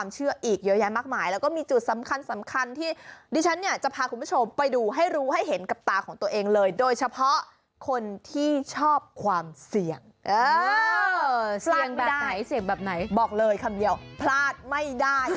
เสียงแบบไหนบอกเลยคำเดียวพลาดไม่ได้